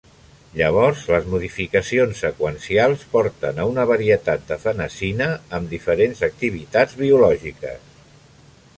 Llavors les modificacions seqüencials porten a una varietat de fenazina amb diferents activitats biològiques.